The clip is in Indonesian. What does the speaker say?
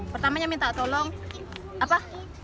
pertamanya minta tolong apa